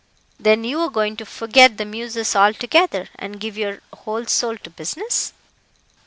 "Then, you are going to forget the Muses altogether, and give your whole soul to business?"